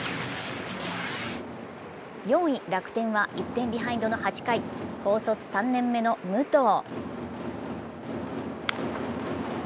４位・楽天は１点ビハインドの８回高卒３年目の武藤。